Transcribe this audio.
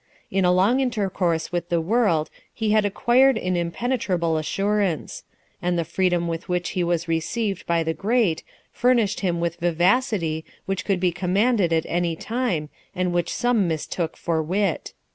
In a long intercourse with the world he had acquired an impenetrable assurance ; and the freedom with which he was received by the great, furnished him with vivacity which could be commanded at any time, and which some mistook for wit.